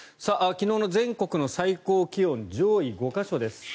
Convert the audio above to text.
昨日の全国の最高気温上位５か所です。